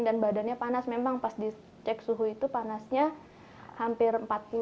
dan badannya panas memang pas dicek suhu itu panasnya hampir empat puluh